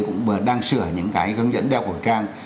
cũng đang sửa những cái hướng dẫn đeo khẩu trang